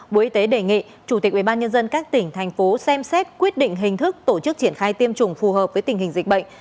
bộ y tế đề nghị chủ tịch ubnd các tỉnh thành phố xem xét quyết định hình thức tổ chức triển khai tiêm chủng phù hợp với tình hình dịch bệnh